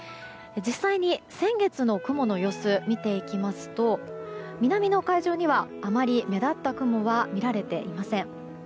実際に先月の雲の様子を見ていきますと南の海上にはあまり目立った雲はみられていません。